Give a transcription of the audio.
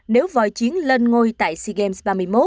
nếu vòi chiến lên ngôi tại sea games ba mươi một